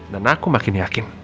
dan aku makin yakin